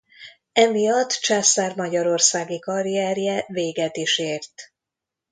Emiatt Császár magyarországi karrierje véget is ért.